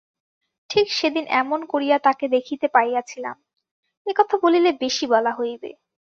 ঠিক সেদিন এমন করিয়া তাকে দেখিতে পাইয়াছিলাম, এ কথা বলিলে বেশি বলা হইবে।